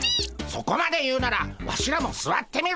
そこまで言うならワシらもすわってみるでゴンス。